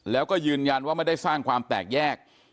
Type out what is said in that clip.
แล้วก็ยืนยันว่าไม่ได้สร้างความแตกแยก